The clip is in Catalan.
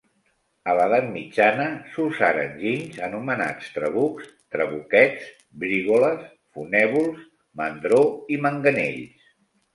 A l'edat mitjana s'usaren ginys anomenats trabucs, trabuquets, brigoles, fonèvols, mandró i manganells.